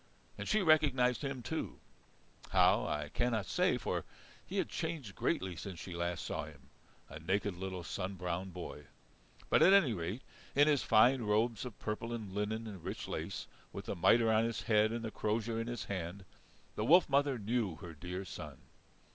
And she recognized him too how I cannot say, for he had changed greatly since she last saw him, a naked little sun browned boy. But, at any rate, in his fine robes of purple and linen and rich lace, with the mitre on his head and the crozier in his hand, the wolf mother knew her dear son.